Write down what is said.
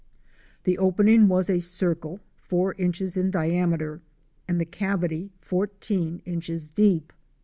The opening was a circle, four inches in diameter, and the cavity fourteen inches deep.